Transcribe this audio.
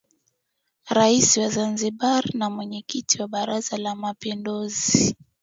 Rais wa Zanzibar na Mwenyekiti wa Baraza la Mapinduzi